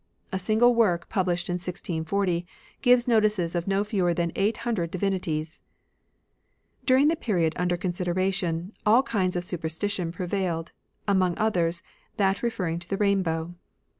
A single work, published in 1640, gives notices of no fewer than eight hundred divinities. Super During the period imder considera stitions. tion, all kinds of superstition prevailed ; Z' among others, that referring to the rainbow.